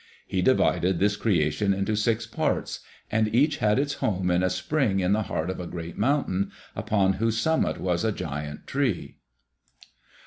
He divided this creation into six parts, and each had its home in a spring in the heart of a great mountain upon whose summit was a giant tree.